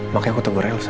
makanya aku tegur elsa